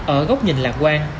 ở góc nhìn lạc quan